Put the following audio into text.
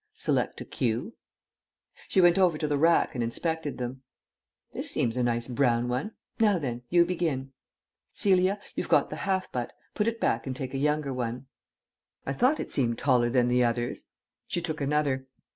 "Select a cue." She went over to the rack and inspected them. "This seems a nice brown one. Now then, you begin." "Celia, you've got the half butt. Put it back and take a younger one." "I thought it seemed taller than the others." She took another.